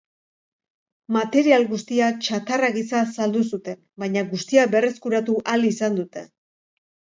Material guztia txatarra gisa saldu zuten, baina guztia berreskuratu ahal izan dute.